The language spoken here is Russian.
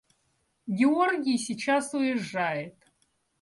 – Георгий сейчас уезжает.